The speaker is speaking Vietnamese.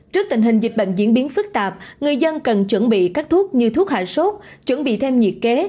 trước tình hình dịch bệnh diễn biến phức tạp người dân cần chuẩn bị các thuốc như thuốc hạ sốt chuẩn bị thêm nhiệt kế